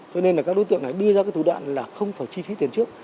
cho nên là các đối tượng này đưa ra cái thủ đoạn là không phải chi phí tiền trước